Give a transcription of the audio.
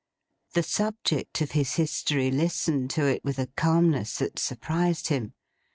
The subject of his history listened to it with a calmness that surprised him.